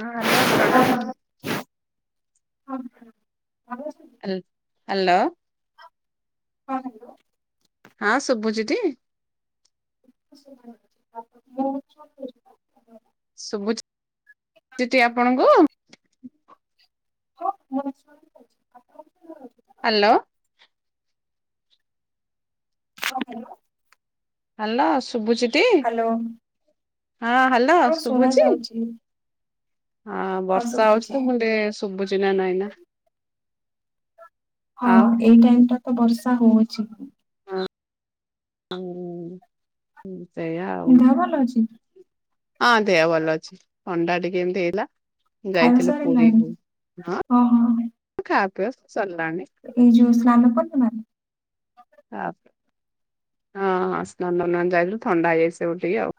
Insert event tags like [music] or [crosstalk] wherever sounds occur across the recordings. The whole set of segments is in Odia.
ହଁ ହାଲୋ ପ୍ରଣାମ। ହଁ ହଁ [unintelligible] ହାଲୋ। ହଁ ହାଲୋ। ହଁ ଶୁବୁଚିଟି। [inaudible] ଶୁବୁଚି ଆପଣଙ୍କୁ? ହଁ ମତେ ଶୁଣା ଯାଉଚି [inaudible] ହାଲୋ। ହଁ ମାଲୋ। ହାଲୋ ଶୁବୁଚି ହାଲୋ। ହଁ ହ୍ୟାଲୋ ଶୁଭୁଛିି ହଁ ବର୍ଷା ହଉଛି ତ ମୁଁ ଟ ଶୁଭୁଛିିନା ନହିଁ ନା ହଁ ଆଉ ଏଇ ଟାଇମ ଟା ତ ବର୍ଷା ହଉଛି ହଁ ହୁଁ ସେଇଆ ଆଉ ଘାହା ଭଲ ଅଛି ହଁ ଦେହ ଭଲ ଅଛି ଣ୍ଡା ଆ ଟିକି ଏମିତି ହେଇଲା ଖାଇବା ଯାଇଥିଲ ସରିଲାଣି ପୁରୀରୁ ହଁ ଓହୋ ଖା ପିଅ ସରିଲାଣି ନଲ ପ ନା ହଁ ହଁ ସ୍ନାନ ଉନନ୍ଦ ଯାଇଥିଲ ଥଣ୍ଡା ହେଇଯାଇସିବୁ ଟିକେ ଆଉ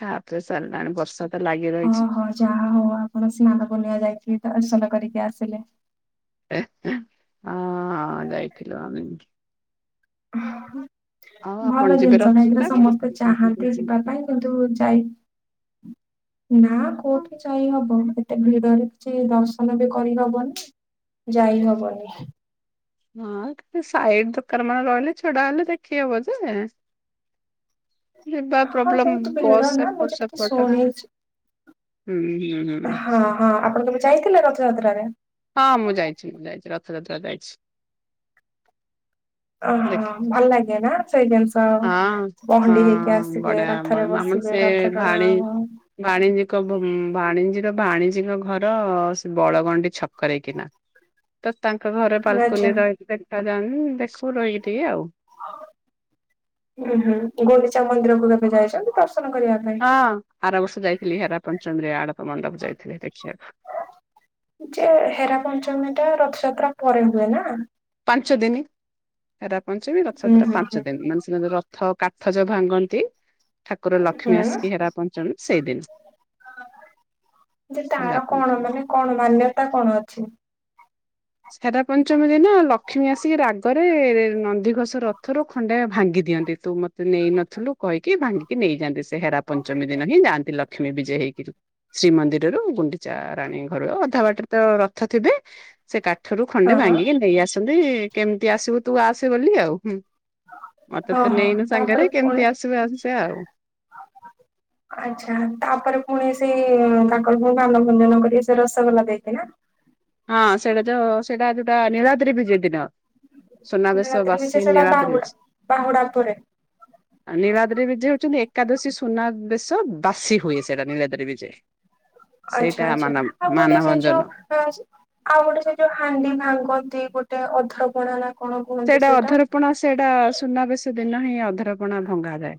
ଖା ସାରିଲାଣି ବର୍ଷା ତ ଲାଗି ରହିଛି ଓହୋ ଯାହା ହଉ ଆପଣ ସ୍ନାନ ପୁର୍ଣିଆ ଯାଇଥିଲି ଦର୍ସଲ କରିକି ଆସିଲେ ହଁ ଯାଇଥିଲିଲ ଆମ ହ ହ ଆପଣ ଭଲ ଯିବେ ଜିନିଷ ରଥକୁ କାଇଁକ ନା କଣ? ସମସ୍ତେ ଚାହାନ୍ତି ଯିବା ପାଇଁ କିନ୍ତୁ ଯାଇ ନା କୋଉଠି ଯାଇ ହବ ଗଟେ ଭିଡରେ କିଛି ଦର୍ଶନ ବି କରିହବନି ଯାଇ ହବନି ହ ସାଇଡ ଦୋକାନ ମାନେ ରହିଲେ ଛଡା ହେଲେ ଦେଖି ହବ ଯେ ଯିବା ହଁ ପ୍ରୋବ୍ଲେମ ବହୁତ ଭିଡ ବସ୍ ନା ମୁଁ ଏପଟ ଯେତିକି ସେପଟ ହୁଁ ହୁଁ ହୁଁ ଶୁଣିଛି ହଁ ହଁ ଆପଣ ତବେ ଯାଇଥିଲେ ରଥଯାତ୍ରାରେ ହଁ ମୁଁ ଯାଇଛି ମୁଁ ଯାଇଛି ରଥଯାତ୍ରା ଯାଇଛି ହ ଦେଖି ଅଲଗେନା ସେଇ ଜିନିଷ ଆଉ ହଁ ପହଣ୍ଡି ହେଇକି ହଁ ଆସିବେ ବଢିଆ ରଥରେ ବସିବେ ରଥ ଟଣା ଆ ବାଣିଜ୍ୟିକ ବାଣିଜ୍ୟର ବାଣିଜୀଙ୍କ ଘର ସେ ବଳଗଣ୍ଡି ଛକରେଇକିନା ତ ତାଙ୍କ ଘରେ ଆଚ୍ଛା ବାଲକୁନି ରହିକି ଦେଖାଯାଆନ୍ତି ଦେଖୁ ରହିକି ଟିକେ ଆଉ ହଁ ହୁଁ ଗୋଣ୍ଡିଚା ମନ୍ଦିରକୁ କେମେ ଯାଇ ହଁ ଆର ବର୍ଷ ଯାଇଥିଲି ହେରାପଞ୍ଚମ ଆଡ଼ପ ମଣ୍ଡପ ଯାଇଥିଲେି ଦେଖିବାକୁ ଯେ ହେରା ପଞ୍ଚମୀ ଟା ରଥଯାତ୍ରା ପରେ ହୁଏ ନା ପାଞ୍ଚ ଦିନ ହେରା ପଞ୍ଚମୀ ହୁଁ ରଥଯାତ୍ରା ହୁଁ ପାଞ୍ଚ ହୁଁ ଦିନ ମାନେ ରଥ କାଠଜ ଭାଙ୍ଗନ୍ତି ଠାକୁର ଲକ୍ଷ୍ମୀ ହୁଁ ଆସିକି ହେରା ପଞ୍ଚନ୍ତି ସେଇଦିନ ଯେ ହେରା ତାର କଣ ପଞ୍ଚମୀ। ମାନେ କଣ ମାନ୍ୟତା କଣ ଅଛି ସାରା ପଞ୍ଚମୀ ଦିନ ଲକ୍ଷ୍ମୀ ଆସିକି ରାଗରେ ନନ୍ଦିଘୋଷ ରଥରୁ ଖଣ୍ଡେ ଭାଙ୍ଗି ଦିଅନ୍ତି ତୁ ମତେ ନେଇନଥିଲୁ କହିକି ଭାଙ୍ଗିକି ନେଇଯାଆନ୍ତି ସେ ହେରା ପଞ୍ଚମୀ ଦିନ ହିଁ ଯାଆନ୍ତି ଲକ୍ଷ୍ମୀ ବିଜୟ ହେଇକିରି ଶ୍ରୀମନ୍ଦିରରୁ ଗୁଣ୍ଡିଚା ରାଣୀ ଘରୁ ଅଧା ବାଟରେ ତ ରଥ ଥିବେ ସେ କାଠରୁ ଖଣ୍ଡେ ହଁ ହଁ ଭାଙ୍ଗିକି ନେଇ ଆସନ୍ତି କେମିତି ଆସିବୁ ତୁ ଆସେ ବୋଲି ଆଉ ହୁଁ ମତେ ତ ଓହୋ ନେଇନୁ ତାପରେ ସାଙ୍ଗରେ କେମିତି ଆସିବେ ଆସସିବା ଆଉ ଆଛା ତାପରେ ପୁଣି ସେ ତାଙ୍କର କାନ ଭଞ୍ଜନ କରିିକ ସେ ରସଗୋଲା ଦେଇଥିଲା ହଁ ସେଇଟା ଯୋଉ ସେଇଟା ଯୋଉଟା ନିରାତ୍ରି ବିଜ ଦିନ ସୋନାବେଶ ରାତିରେ ମିଛ ବାସୀ ସେଟା ବାହୁଡା ନୀଳାଦ୍ରିଜ ବାହୁଡା ପରେ ିବାଦରେ ବି ଯେ ହଉଛନ୍ତି ଏକାଦଶୀ ସୁନା ବେଶ ବାସି ହୁଏ ସେଇଟା ନୀଳାଦାରି ବିଜ ଆଚ୍ଛା ଆଚ୍ଛା ଆଉ ଗୋଟେ ସେ ଯୋଉ ଆଉ ଗୋଟେ ସେ ଯୋଉ ହାଣ୍ଡି ଭାଙ୍ଗନ୍ତି ଗୋଟେ ଅଧ୍ରପଣା ନା କଣ କୁହନ୍ତି ସେଇଟା ଅଧରପଣା ସେଇଟା ସୁନାବେଶ ଦିନ ହିଁ ଅଧରପଣା ଭଙ୍ଗାାଯାଏ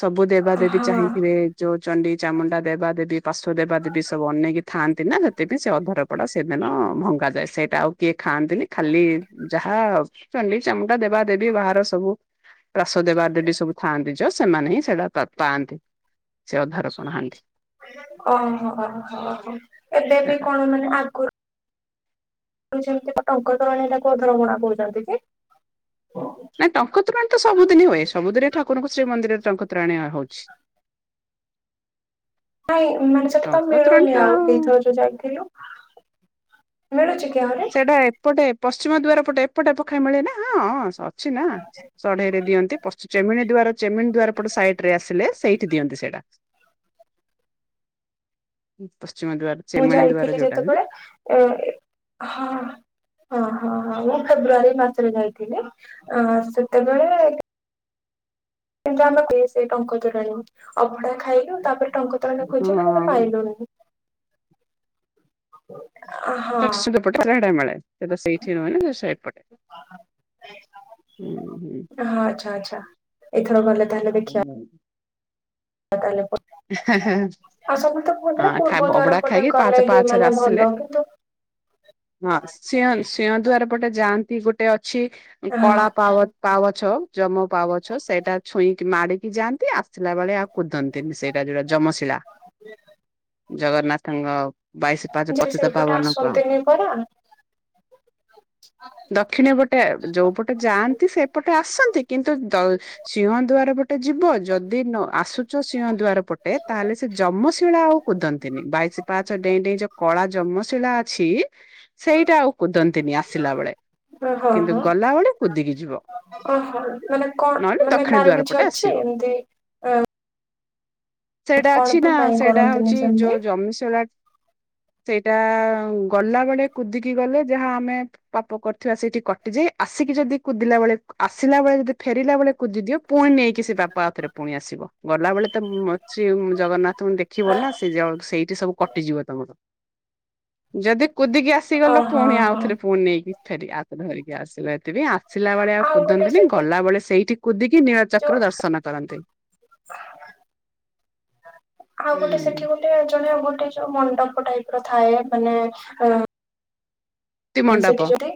ସବୁ ଦେବା ଦେେବୀ ହଁ ଚାହିଁଥିବେ ଯୋଉ ଚଣ୍ଡି ଚାମୁଣ୍ଡା ଦେବା ଦେେବୀ ାର୍ଶଵ ଦେବାଦ ଦେବି ସବୁ ଅନ ନେଇକି ଥାଆନ୍ତି ନା ସେତପଁ ସେ ଅଧର କପଟା ସେଦିନ ଭଙ୍ଗାାଯାଏ ସେଇଟା ଆଉ କିଏ ଖାଆନ୍ତିନି ଖାଲି ଯାହା ଚଣ୍ଡୀ ଚାମୁଟା ଦେବା ଦେବି ବାହାର ସବୁ ରାସ ଦେବାଦେବି ସବୁ ଥାଆନ୍ତି ଯ ସେମାନେ ହିଁ ସେଇଟା ପାଆନ୍ତି। ସେରା ଭାର ନାହାନ୍ତି। ଓହୋ ହୋ ହୋ ଏବେ ବି କଣ ମାନେ ଆଗରୁ ସେମିତି କ ଟଙ୍କ ତୋରାଣି ଟାକୁ ଅଧରପଣା କହୁଛନ୍ତି କି? ନାଇଁ ଟଙ୍କତୋରାଣି ତ ସବୁଦିନ ହୁଏ ସବୁଦିନ ଠାକୁରଙ୍କୁ ଶ୍ରୀ ମନ୍ଦିରେ ଟଙ୍କ ତୋରାଣି ହଉଛି। [inaudible] ନାଇଁ ମାନେ ସେଟା ତ ଟଙ୍କ ତୋରାଣି ମିଳୁନି ତ ଆଉ ଏଇଥର ଯୋଉ ଯାଇଥିଲୁ ମିଳୁଛି। କି ଆହୁରି? ସେଇଟା ଏପଟେ ପଶ୍ଚିମ ଦୁଆର ପଟେ ଏପଟେ ପଖାଏ ମିଳେ ନା ହଁ ହଁ ଅଛି ନା ସଢେଇରେ ଦିଅନ୍ତି ଚେମି ଦାର ଚେମିିନ ଦୁଆର ପଟ ସାଇଡ ରେ ଆସିଲେ ସେଇଠି ଦିଅନ୍ତି ସେଇଟା। ହ [unintelligible] ମୁଁ ଯାଇଥିଲି ଯେତେବେଳେ ଏ ହଁ ହଁ ହଁ ହଁ ମୁଁ ଫେବୃଆରୀ ମାସରେ ଯାଇଥିଲି ସେତେବେଳେ କିନ୍ତୁ ଆମେ ପିଉ ସେ ଟଙ୍କ ତୋରାଣି ଅଭଡା ଖାଇଲୁ ତାପରେ ଟଙ୍କ ତେ ଖୋଛେ ହଁ ପାଇଲୁନି। ହଁ ଚ ପଟେ ସେଡେ ମିଳେ ସେତ ସେଇଠି ରୁହେନି ସେଇପଟେ ହ ଆଛା ଆଛା ଏଥର ଗଲେ ତାହେଲେ ଦେଖିବା ଆ ତାହଲେ ହ କୁହନ୍ତି ଆ ନା ପୂର୍ବ ଖାଇବ ଦ୍ୱାର ଅବଢ଼ା ପଟେ ଖାଇକି ପାହାଚ ଗଲେ ହିଁ ପାହାଚ ମାନେ ଆସିଲେ ଭଲ କିନ୍ତୁ ହଁ ସିଂହ ସିଂହ ଦୁଆର ପଟେ ଯାଆନ୍ତି ଗୋଟେ ଅଛି କଳା ହଁ ପାୱ ପାୱଛ ଜମ ପାୱଛ ସେଇଟା ଛୁଇଁ ମାଡିକି ଯାଆନ୍ତି ଆସିଲା ବେଳେ ଆଉ କୁଦନ୍ତିନି ସେ। ଟ ଯୋଉଟା ଯମଶିଳା ଜଗନ୍ନାଥଙ୍କ ବାଇଶି ପାହାଚ ଯଦି ପତିତ ସେପଟେ ପାବନ କ ଆସନ୍ତିିନି ପରା। ଦକ୍ଷିଣ ପଟେ ଯୋଉ ପଟେ ଯାଆନ୍ତି ସେପଟେ ଆସନ୍ତି କିନ୍ତୁ ଦ ସିଂହ ଦୁଆର ପଟେ ଯିବ ଯଦି ଆସୁଚ ସିଂହ ଦୁଆର ତାହେଲେ ସେ ଯମଶିଳା ଆଉ କୁଦନ୍ତିନି ବାଇଶି ପାଚ ଡେଇଁ ଡେଇଁ ଯୋଉ କଳା ଯମଶିଳା ଅଛି ସେଇଟା ଆଉ କୁଦନ୍ତିନି ଆସିଲା ବେଳେ କିନ୍ତୁ ଗଲାବେଳେ କୁଦିକି ଯିବ। ଓହ ମାନେ କଣ ନହେଲେ ମାନେ ଦକ୍ଷିଣ କାହାର ଦ୍ୱାର କିଛି ପଟେ ଅଛି ଆସିବ। ଏମିତି ଅ ସେଇଟା ଅଛି ନା ସେଇଟା କରନ୍ତିନି ହଉଛି ସେମିତି ଯୋଉ ଜମିସିଳା ସେଇଟା ଗଲା ବେଳେ କୁଦିକି ଗଲେ ଯାହା ଆମେ ପାପ କରୁଥିବା ସେଇଠି କଟିଯାଇ ଆସିକି ଯଦି କୁଦିଲା ବେଳେ ଆସ ବେଳେ ଯଦି ଫେରିଲା ବେଳେ କୁଦି ଦିଅ ପୁଣି ନେଇକି ସେ ପାପ ଆଉ ଥରେ ପୁଣି ଆସିବ ଗଲାବେଳେ ତ ଅଛି ଜଗନ୍ନାଥ ଙ୍କୁ ଦେଖିବ ନା ସେ ଯ ସେଇଠି ସବୁ କଟିଯିବ ତମର। ଯଦି କୁଦିକି ଆସିଗଲ ଓହୋ ପୁଣି ହଁ ଆଉଥରେ ପୁଣି ନେଇକି ଫେରିକ ଆତରେ ଧରିକି ଆସିଲ ଏତିି ଆସିଲା ବେଳେ ଆଉ ଗୋଟେ କୁଦନ୍ତିନି ସେଠି ଗଲାବେଳେ ସେଇଠି କୁଦିକି ଯୋଉ ନୀଳଚକ୍ର ଦର୍ଶନ କରନ୍ତି। ଆଉ ଗୋଟେ ସେଠି ଗୋଟେ ଜଣେ ଗୋଟେ ଯୋଉ ମ ଣ୍ଡପ ଟାଇପ ର ଥାଏ ମାନେ ମୁକ୍ତି ସେଠି ମଣ୍ଡପ ଯଦି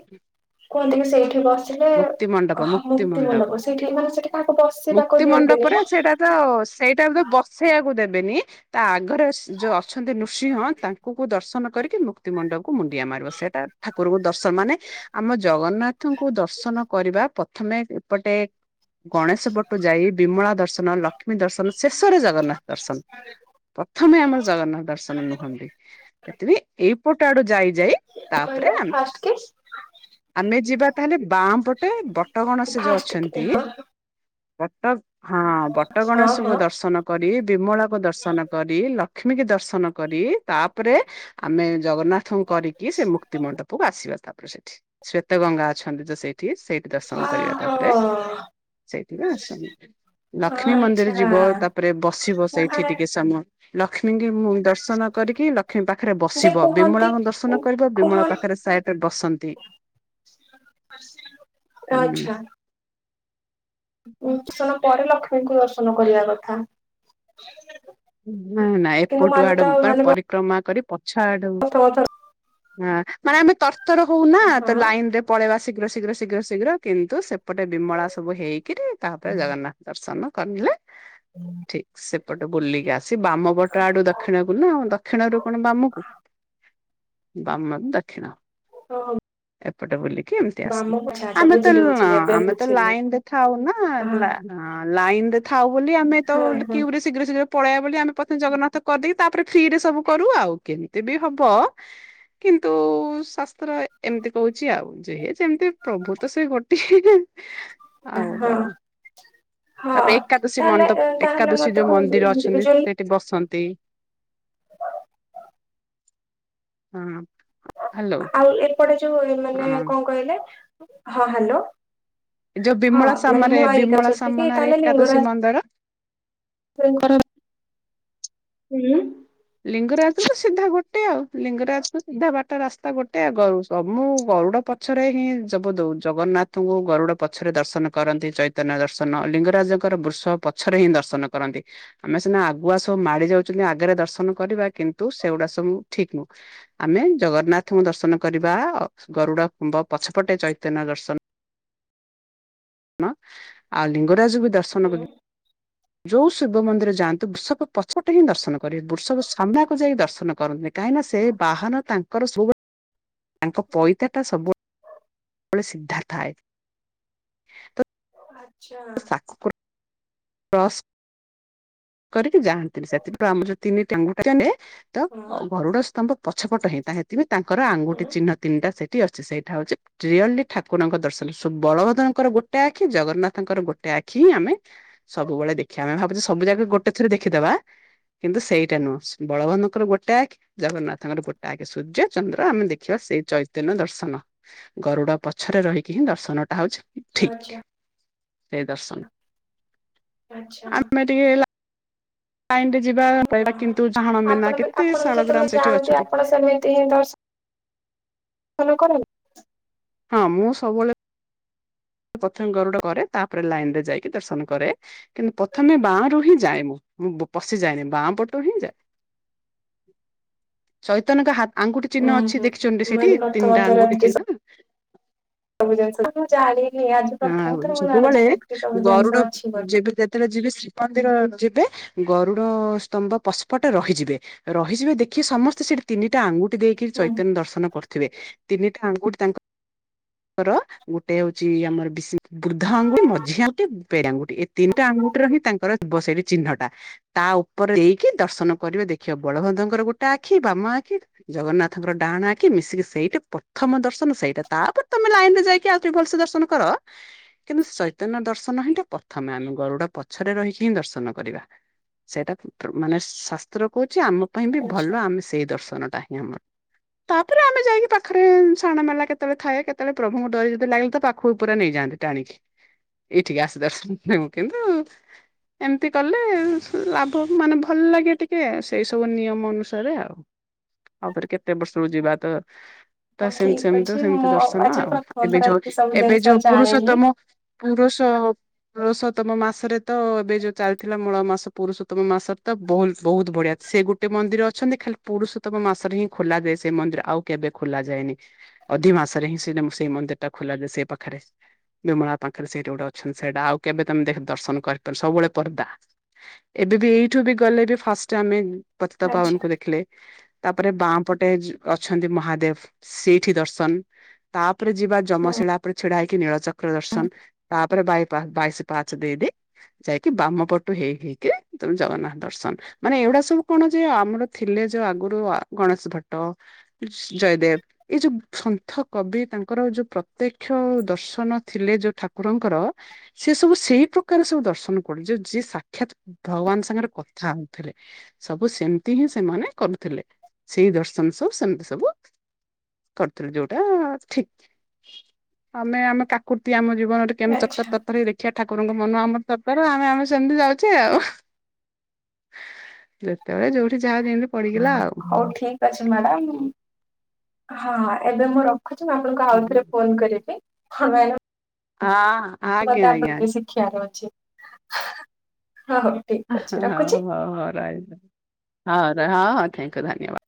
କୁହନ୍ତି କି ସେଇଠି ବ ସେଠେ ମୁକ୍ତି ମଣ୍ଡପ ମୁକ୍ତି ମଣ୍ଡପ ମୁକ୍ତିମଣ୍ଡପ ସେଇଠି ମାନେ ସେଠି କାହାକୁ ବସିବାକୁ ମୁକ୍ତି ଦିଅନ୍ତିନି ମଣ୍ଡପରେ ନା ସେଇଟା ତ ସେଇଟା ବେ ବସେଇବାକୁ ଦେବେନି ତା ରେ ଯୋଉ ଅଛନ୍ତି ନୃସିଂହ ତାଙ୍କୁ ଦର୍ଶନ କରିକି ମୁକ୍ତି ମଣ୍ଡପକୁ ମୁଣ୍ଡିଆ ମାରିବ ସେଟା ଠାକୁର ଦର୍ଶନ ମାନେ ଆମ ଜଗନ୍ନାଥଙ୍କୁ ଦର୍ଶନ କରିବା ପ୍ରଥମେ ଏପଟେ ଗଣେଶ ପଟୁ ଯାଇ ବିମଳା ଦର୍ଶନ ଲକ୍ଷ୍ମୀ ଦର୍ଶନ ଶେଷରେ ଜଗନ୍ନାଥ ଦର୍ଶନ ପ୍ରଥମେ ଆମର ଜଗନ୍ନାଥ ଦର୍ଶନ ନୁହନ୍ତି ସେଥିପାଇଁ ଏଇପଟ ଆଡୁ ଯାଇ ଯାଇ ତାପରେ କହିଲ ଆମେ ଫାଷ୍ଟ କି ଆମେ ଯିବା ହେଲେ ବାଁ ପଟେ ବଟ ଗଣେଶ ଯୋଉ ଫାଷ୍ଟ ଅଛନ୍ତି କି ହଁ ବଟ ହଁ ବଟ ହଁ ଗଣେଶଙ୍କୁ ହଁ ଦର୍ଶନ କରି ବିମଳାକୁ ଦର୍ଶନ କରି ଲକ୍ ଲକ୍ଷ୍ମୀ କି ଦର୍ଶନ କରି ତାପରେ ଆମେ ଜଗନ୍ନାଥଙ୍କୁ କରିକି ସେ ମୁକ୍ତି ମଣ୍ଡପକୁ ଆସିବା ତାପରେ ସେଠି ଶ୍ଵେତ ଗଙ୍ଗା ଅଛନ୍ତି ତ ସେଇଠି ସେଇଠି ଦର୍ଶନ କରିବା ତାପରେ ଓହୋ ସେଇଠି କୁ ଆସନ୍ତି। ଲକ୍ଷ୍ମୀ ମନ୍ଦିର ଆଚ୍ଛା ଯିବ ତାପରେ ବସିବ ସେଇଠି ଟିକେ ସମୟ ଲକ୍ଷ୍ମୀ ଦର୍ଶନ କରିକି ଲକ୍ଷ୍ମୀ ପାଖରେ ଯେ ବସିବ କୁହନ୍ତି ବିମଳାଙ୍କୁ ଦର୍ଶନ କରିବ କୁହ ବିମଳା ପାଖରେ ସାଇଟରେ ବସି ତନ୍ତି। ହୁଁ ଆଚ୍ଛା। ଉ ଭୀଷଣ ପରେ ଲକ୍ଷ୍ମୀଙ୍କୁ ଦର୍ଶନ କରିବା କଥା। ନା ନା କିନ୍ତୁ ମୁଁ ଏପଟୁ ଆଜି ଆଡୁ ତ ପା ମାନେ ପରିକ୍ରମା କରି ପଛ ଆଡୁ ହଁ କଥା କଥା ମାନେ ଆମେ ତର୍ତର ହଉନା ତ ହଁ ଲାଇନ ରେ ପଳେଇବା ଶୀଘ୍ର ଶୀଘ୍ର ଶୀଘ୍ର ଶୀଘ୍ର କିନ୍ତୁ ସେ ଏପଟେ ବିମଳା ସବୁ ହେଇକିରି ତାପରେ ଜଗନ୍ନାଥ ଦର୍ଶନ କରିଲେ ଠିକ ସେ ଏପଟେ ବୁଲିକି ଆସି ବାମ ପଟ ଆଡୁ ଦକ୍ଷିଣ କୁ ନା ଆଉ ଦକ୍ଷିଣରୁୁ କଣ ବାମ କୁ ବାମ ରୁ ଦକ୍ଷିଣ ହଁ । ଏପଟେ ବୁଲିକି ଏମିତି ଆଚ୍ଛା ଆମେ ତ ବୁଝିଲି ବୁଝିଲି ଏବେ ଆମେ ତ ବୁଝିଲି। ଲାଇନ ରେ ଥାଉ ନା ହଁ ଲାଇନ୍ ଥାଉ ବୋଲି ଆମେ ତ ହଁ ହଁ କି ଶୀଘ୍ର ଶୀଘ୍ର ପଳେଇବା ବୋଲି ଆମେ ପ୍ରଥମେ ଜଗନ୍ନାଥ କରିଦେଇକି ତାପରେ ଫ୍ରି ରେ ସବୁ କରୁ ଆଉ କେମିତି ବି ହବ କିନ୍ତୁ ଶାସ୍ତ୍ର ଏମିତି କହୁଛି ଆଉ ଯେହେ ଯେମିତି ପ୍ରଭୁ ତ ସେ ଗୋଟିଏ ଆଉ ହଁ କଣ। ହଁ ତାପରେ ଏକାଦଶୀ ତାହେଲେ ମଣ୍ଡପ ତାହେଲେ ଏକାଦଶୀ ମତେ ଯୋଉ କୁହନ୍ତୁ ମନ୍ଦିର ଅଛନ୍ତି ଇଣ୍ଡିଭିଜୁଆଲି ସେଠି ବସନ୍ତି ହଁ। ହ୍ୟାଲୋ ଆଉ ଏପଟେ ଯୋଉ ମାନେ ହଁ କଣ କହିଲେ ହଁ ହାଲୋ। ଯୋଉ ହଁ ବିମଳା ମାନେ ସାମରେ ମୁଁ ଆଇକ ବିମଳା କି ସାମନାରେ ତାହେଲେ ଲିଙ୍ଗରା ଏକାଦଶୀ ମନ୍ଦିର [unintelligible] ହୁଁ ଲିଙ୍ଗରାଜକୁ ସିଧା ଗୋଟେ ଆଉ ଲିଙ୍ଗରାଜ କୁ ସିଧା ବାଟ ରାସ୍ତା ଗୋଟେ ଆଗରୁ ସବୁ ଗରୁଡ ପଛରେ ହିଁ ଯବୁ ଜଗନ୍ନାଥଙ୍କୁ ଗରୁଡ ପଛରେ ଦର୍ଶନ କରନ୍ତି ଚୈତନ୍ୟ ଦର୍ଶନ ଲି ଲିଙ୍ଗରାଜଙ୍କର ବୃଷ ପଛରେ ହିଁ ଦର୍ଶନ କରନ୍ତି ଆମେ ସିନା ଆଗୁଆ ସବୁ ମାଡି ଯାଉଛନ୍ତି ଆଗରେ ଦର୍ଶ ନ କରିବା କିନ୍ତୁ ସେଗୁଡା ସବୁ ଠିକ୍ ନୁହଁ ଆମେ ଜଗନ୍ନାଥଙ୍କୁ ଦର୍ଶନ କରିବା ଅ ଗରୁଡ଼ ଖୁମ୍ୱ ପଛପଟେ ଚୈତନ୍ୟ ଦର୍ଶନ ହଁ ଆଉ ଲିଙ୍ଗରାଜ ବି ଦର୍ଶନ ହୁଁ କରି ଯୋଉ ଶିବ ମନ୍ଦିର ଯାଆନ୍ତୁ ବୃଷଭ ପଛପଟେ ହିଁ ଦର୍ଶନ କରିବ ବୃଷଭ ସାମ୍ନାକୁ ଯାଇକି ଦର୍ଶନ କରନ୍ତ କାହିଁକି ନା ସେ ବାହାନ ତାଙ୍କର ସବୁବେଳେ ତାଙ୍କ ପଇତାଟା ସବୁବେଳେ ସିଧା ଥାଏ। ତ ଆଚ୍ଛା। କ୍ରସ କରିକି ଯାଆନ୍ତିନି ସେଥିପାଇଁ ଆମ ଯୋଉ ତିନି ଟାଙ୍ଗୁ ତ ହଁ ଗରୁଡ ସ୍ତମ୍ଭ ପଛପଟ ହେଁ ହେଇଁ ତା ହେଥିପାଇଁ ତାଙ୍କ ଆଙ୍ଗୁଠି ହୁଁ ଚିହ୍ନ ତିନିଟା ସେ ଅଛି ସେଇଟା ହଉଚି ରିଅଲି ଠାକୁରଙ୍କ ଦର୍ଶନ ବଳଭଦ୍ରଙ୍କର ଗୋଟେ ଆଖି ଜଗନ୍ନାଥଙ୍କର ଗୋଟେ ଆ ଆଖି ଆମେ ସବୁବେଳେ ଦେଖିବା ଆମେ ଭାବୁଛେ ସବୁ ଜାଗା ଗୋଟେ ଥରେ ଦେଖିଦବା କିନ୍ତୁ ସେଇଟା ନୁହଁ ବଳବାନଙ୍କର ଗୋଟେ ଆଖି ଜଗନ୍ନାଥଙ୍କର ଗୋଟେ ଆଖି ସୂର୍ଯ୍ୟ ଚନ୍ଦ୍ର ଆମେ ଦେଖିବା ସେଇ ଚୈତନ୍ୟ ଦର୍ଶନ ଗରୁଡ ପଛରେ ରହିକି ହିଁ ଦର୍ଶନ ଟା ହଉଛି ଠିକ୍ ଆଚ୍ଛା ସେ ଦର୍ଶନ। ଆଚ୍ଛା। ଆମେ ଟିକେ ଲାଇନ ରେ ଯିବା ପାଇବା କିନ୍ତୁ ଡାହାଣ ମେନା ଆପଣ ବି କେତେ ଆପଣ ବି ଶାଳଗ୍ରାମ ଯେତେବେଳେ ସେଠି ଜାଣନ୍ତି ଅଛନ୍ତି। ଆପଣ ସେମିତି ହିଁ ଦର୍ଶ ଶଣୁ କଣ ହେଲା? ହଁ ମୁଁ ସବୁବେଳେ ପ୍ରଥମେ ଗରୁଡ କରେ ତାପରେ ଲାଇନ ରେ ଯାଇକି ଦର୍ଶନ କରେ କିନ୍ତୁ ପ୍ରଥମେ ବାଁ ରୁ ହିଁ ଯାଏ ମୁଁ। ମୁଁ ପଶି ଯାଏନି ବାଁ ପଟ ତ ହିଁ ଯାଏ ଚୈତନଙ୍କ ହା ଆଙ୍ଗୁଠି ଉଁ ଚିହ୍ନ ଅଛି ହୁଁ ଦେଖିଚଛନ୍ତି ମୁଁ ସେଠି ଆଜି ପ୍ରଥମ ତିନିଟା ଥର ଆଙ୍ଗୁଠି ଏତିକି ଚିହ୍ନ। ସବୁ ଯା ମୁଁ ଜାଣି ହଁଉ ସବୁବେଳେ ଜିନିଷ ଗରୁଡ ଅଛି ବୋଲି। ଯେବେ ଯେତେବେଳେ ଯିବି ଶ୍ରୀମନ୍ଦିର ଯି ବେ ଗରୁଡ ସ୍ତମ୍ୱ ପଛପଟେ ରହିଯିବେ ରହିଯିବେ ଦେଖିବେ ସମସ୍ତେ ସେଠି ତିନିଟା ଆଙ୍ଗୁ ଦେଇକି ହୁଁ। ଚୈତନ୍ୟ ଦର୍ଶନ କର ଥିବେ ତିନିଟା ଆଙ୍ଗୁଠି ତାଙ୍କର ଗୋଟେ ହଉଛି ଆମର ବିଶି ବୃଦ୍ଧ ଆଙ୍ଗୁଠି ମଝି ଆଙ୍ଗୁଠି ପେଡ ଆଙ୍ଗୁଠି ଏ ତିନିଟା ଆଙ୍ଗୁଠିରେ ହିଁ ତାଙ୍କର ସେଇ ଠୀ ଚିହ୍ନଟା। ତା ଉପରେ ଦେଇକି ଦର୍ଶନ କରିବେ ଦେଖିବ ବଳଭଦଙ୍କର ଗୋଟେ ଆଖି ବାମା ଆଖି ଜଗନ୍ନାଥଙ୍କର ଡାହାଣା ଆଖି କିି ମିଶିକି ସେଇଟା ପ୍ରଥମ ଦର୍ଶନ ସେଇଟା ତା ପ୍ରଥମେ ଲାଇନ ରେ ଯାଇକି ଆଉ ଭଲସେ ଦର୍ଶନ କର। କିନ୍ତୁ ଚୈତନ୍ୟ ଦର୍ଶନ ହିଁଟା ପ୍ରଥମେ ଆମେ ଗରୁଡ ପଛରେ ରହିକି ହିଁ ଦର୍ଶନ କରିବା। ସେଇଟା ମାନେ ଶାସ୍ତ୍ର କହୁଛି ଆମ ପାଇଁ ବି ଭଲ ଆଚ୍ଛା ଆମେ ସେଇ ଦର୍ଶନ ଟା ହିଁ ଆମର ତାପରେ ଆମେ ଯାଇକି ପାଖରେ ସାଣ ମେଲା କେତେବେଳେ ଥାଏ କେତେବେଳେ ପ୍ରଭୁଙ୍କ ଡରରେ ଯଦି ଲାଗିଲେ ତ ପାଖକୁ ପୁରା ନେଇଯାଆନ୍ତି ଟାଣିକି ଏଇଠିକି ଆସ ଦର୍ଶନଁ କିନ୍ତୁ ଏମିତି କଲେ ଲାଭ ମାନେ ଭଲ ଲାଗେ ଟିକେ ସେଇ ସବୁ ନିୟମ ଅନୁସାରେ ଆଉ। ଆଉଥରେ କେତେ ବର୍ଷରୁ ଯିବା ତ ତ ହଉ ସେ ଠିକ୍ ସେମିତି ଅଛି ସେମତି ମୁଁ ଦର୍ଶନ ଆଜି ଆଉ ପ୍ରଥମ ଏବେ ଥର ଯୋଉ ଏତିକି ସବୁ ଏବ ଜିନିଷ ଯଉ ଜାଣିଲି। ପୁରୁଷୋତମ ପୁରୁଷ ପୁରୁଷୋତ୍ତମ ମାସରେ ତ ଏବେ ଯୋଉ ଚାଲିଥିଲା ମୂଳ ମାସ ପୁରୁଷୋତ୍ତମ ମାସରେ ତ ବହୁତ ବହୁତ ଭ ସେ ଗୋଟେ ମନ୍ଦିର ଅଛନ୍ତି ଖାଲି ପୁରୁଷୋତ୍ତମ ମାସରେ ହିଁ ଖୋଲାାଯାଏ ସେ ମନ୍ଦିର ଆଉ କେବେ ଖୋଲା ଯାଏନି। ଅଧି ମାସରେ ହିଁ ସେ ସେଇ ମନ୍ଦିର ଟା ଖୋଲା ଯାଏ ସେ ପାଖ ପାଖରେ ବିମଳା ପାଖରେ ସେଠି ଗୋଟେ ଅଛନ୍ତି ସେଇଟା ଆଉ କେବେ ତମେ ଦେଖ ଦର୍ଶନ କରିପାର ସବୁବେଳେ ପର୍ଦ୍ଦା। ଏବେ ବି ଏଇଠୁ ବି ଗଲେ ବି ଫାଷ୍ଟ ଆମେ ପତିତା ଆଚ୍ଛା ପବନକୁ ଦେଖିଲେ। ତାପରେ ବାଁ ପଟେ ଅଛନ୍ତି ମହାଦେବ ସେଇଠି ଦର୍ଶନ ତା ଉପରେ ଯିବା ଯମଶିଳା ଛିଡ଼ା ହେଇକି ନୀଳଚକ୍ର ଦର୍ଶନ ତା ପରେ ବାଇଶି ପାହାଚ ଦେଇ ଦେଇ ଯାଇକି ବାମ ପଟୁ ହେ ହେଇ ହେଇ କି ଜଗନ୍ନାଥ ଦର୍ଶନ ମାନେ ଏଗୁଡା ସବୁ କଣ ଯେ ଆମର ଥିଲେ ଯୋଉ ଆଗରୁ ଗଣେଶ ଭଟ ଜୟଦେବ ଏଇ ଯୋଉ ସନ୍ଥ କବି ତାଙ୍କର ଯୋଉ ପ୍ରତ୍ୟେକ ମୁକ୍ଷ ଦର୍ଶନ ଥିଲେ ଯୋଉ ଠାକୁରଙ୍କର ସେ ସବୁ ସେଇ ପ୍ରକାର ସବୁ ଦର୍ଶନ କଲେ ଯଉ ସାକ୍ଷାତ ଭଗବାନ ସାଙ୍ଗରେ କଥା ହଉଥିଲେ ସବୁ ସେମିତି ହିଁ ସେମାନେ କରୁଥିଲେ। ସେଇ ଦର୍ଶନ ସବୁ ସେମିତି ସବୁ କରିଥିଲୁ ଯୋଉଟା ଠିକ ଆମେ ଆମ କାକୁତି ଆମ ଜୀବନରେ କେମତି ତର ଆଚ୍ଛା ତର ହେଇ ଦେଖିବା। ଠାକୁରଙ୍କ ମନ ଆମର ତରକାର ଆମେ ଆମେ ସେମିତି ଯାଉଛେ ଆଉ। ଯେତେବେଳେ ଯୋଉଠି ଯାହା ଯେମିତି ପଡିଗଲା ଆଉ। ହଉ ଠିକ ଅଛି ମ୍ୟାଡାମ ହଁ ଏବେ ମୁଁ ର ରଖଛି ମୁଁ ଆପଣଙ୍କୁ ହଁ ଆଉଥରେ ଫୋନ କରିବି ଆଜ୍ଞା ମୋତେ ଆପଣ ଆଜ୍ଞା ଙ୍କ ଆଜ୍ଞା ଶିଖିବାର ଅଛି। ହଉ ଠିକ୍ ଅଛି ହଉ ରଖୁଛି। ହଉ ହଉ ରହିଲି ହଉ ଥାଙ୍କୟ ଧନ୍ୟବାଦ।